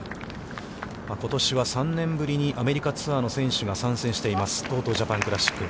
今年は３年ぶりに、アメリカツアーの選手が参加しています、ＴＯＴＯジャパンクラシック。